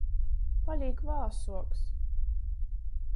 Palīk vāsuoks.